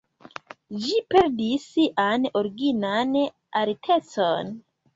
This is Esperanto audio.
Ĝi perdis sian originan altecon.